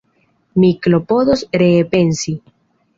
Mi klopodos ree pensi.